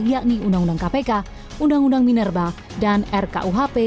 yakni undang undang kpk undang undang minerba dan rkuhp